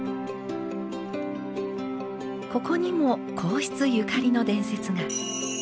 ここにも皇室ゆかりの伝説が。